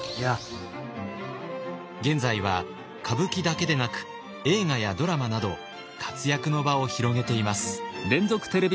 現在は歌舞伎だけでなく映画やドラマなど活躍の場を広げています。